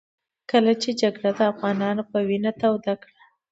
کله چې سړه جګړه د افغانانو په وينو توده کړه.